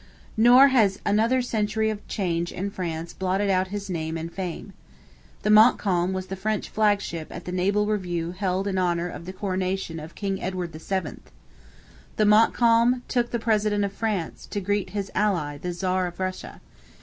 Nor has another century of change in France blotted out his name and fame. The Montcalm was the French flagship at the naval review held in honour of the coronation of King Edward VII. The Montcalm took the President of France to greet his ally the Czar of Russia.